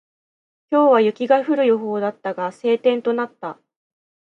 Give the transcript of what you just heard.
今日は雪が降る予報だったが、晴天となった。